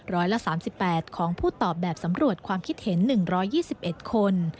ร้อยละ๓๘ของผู้ตอบแบบสำรวจความคิดเห็น๑๒๑คน